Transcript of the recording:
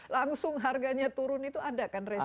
langsung harganya turun itu ada kan resiko